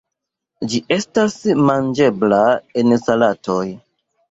Ĝi estas manĝebla en salatoj.